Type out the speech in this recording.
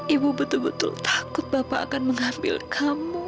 ibu betul betul takut bapak akan mengambil kamu